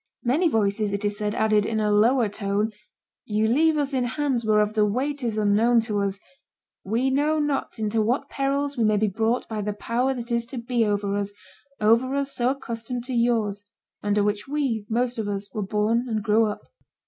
Many voices, it is said, added in a lower tone, "You leave us in hands whereof the weight is unknown to us; we know not into what perils we may be brought by the power that is to be over us, over us so accustomed to yours, under which we, most of us, were born and grew up."